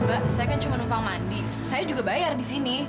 mbak saya kan cuma numpang mandi saya juga bayar di sini